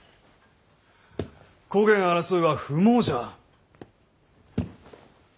こげん争いは不毛じゃ。